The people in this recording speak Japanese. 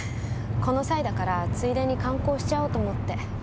この際だからついでに観光しちゃおうと思って。